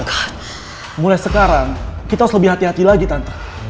kemudian mulai sekarang kita harus lebih hati hati lagi tante